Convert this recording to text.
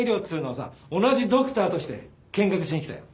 同じドクターとして見学しに来たよ。